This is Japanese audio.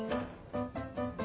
あ！